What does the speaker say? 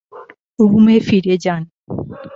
রুমে ফিরে যান!